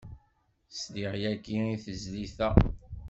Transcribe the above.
Sliɣ yagi i tezlit-a.